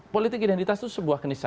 politik identitas tuh sebuah kenisayaan